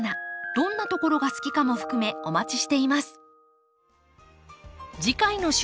どんなところが好きかも含めお待ちしています。